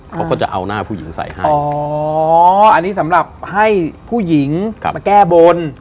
เขาก็จะเอาหน้าผู้หญิงใส่ให้อ๋ออันนี้สำหรับให้ผู้หญิงมาแก้บน